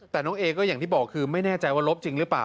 แต่น้องเอก็อย่างที่บอกคือไม่แน่ใจว่าลบจริงหรือเปล่า